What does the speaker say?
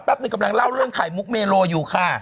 หนึ่งกำลังเล่าเรื่องไข่มุกเมโลอยู่ค่ะ